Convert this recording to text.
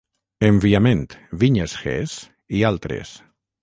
Enviament, vinyes Hess i altres.